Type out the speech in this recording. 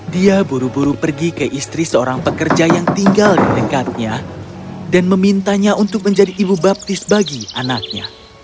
dia buru buru pergi ke istri seorang pekerja yang tinggal di dekatnya dan memintanya untuk menjadi ibu baptis bagi anaknya